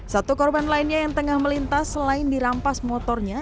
satu korban lainnya yang tengah melintas selain dirampas motornya